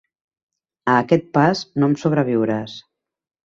A aquest pas, no em sobreviuràs.